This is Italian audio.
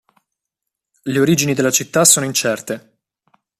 Le origini della città sono incerte.